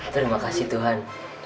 terima kasih tuhan